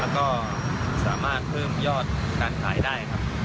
แล้วก็สามารถเพิ่มยอดการขายได้ครับ